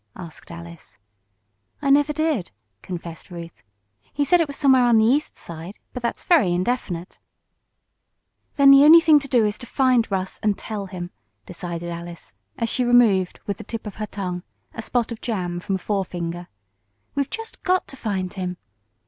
asked Alice. "I never did," confessed Ruth. "He said it was somewhere on the East Side, but that's very indefinite." "Then the only thing to do is to find Russ and tell him," decided Alice, as she removed, with the tip of her tongue, a spot of jam from a forefinger. "We've just got to find him.